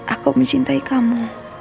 aku mencintai kamu